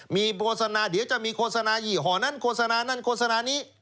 มีโฆษณาเดี๋ยวจะมีโฆษณายี่ห่อนั้นโฆษณานั่นโฆษณานี้